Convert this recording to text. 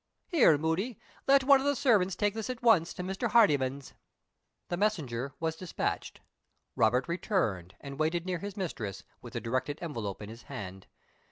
Here, Moody, let one of the servants take this at once to Mr. Hardyman's." The messenger was despatched. Robert returned, and waited near his mistress, with the directed envelope in his hand.